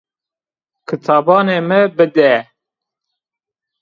Kitabanê mi bide!